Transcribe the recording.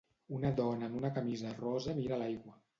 Una dona en una camisa Rosa mira l'aigua.